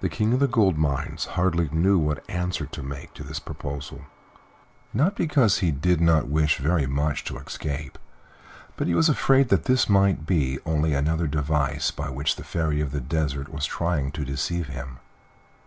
The King of the Gold Mines hardly knew what answer to make to this proposal. Not because he did not wish very much to escape, but he was afraid that this might be only another device by which the Fairy of the Desert was trying to deceive him.